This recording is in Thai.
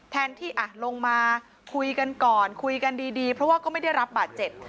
แทนที่ลงมาคุยกันก่อนคุยกันดีเพราะว่าก็ไม่ได้รับบาดเจ็บ